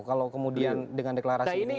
kalau kemudian dengan deklarasi ini